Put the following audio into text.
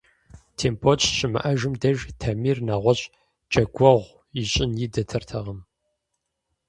Тембот щыщымыӀэм деж, Тамир нэгъуэщӀ джэгуэгъу ищӀын идэртэкъым.